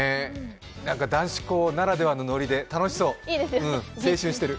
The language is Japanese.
男子高ならではのノリで楽しそう、青春してる。